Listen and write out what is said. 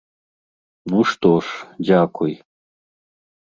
Ну што ж, дзякуй.